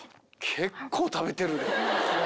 結構食べてるで。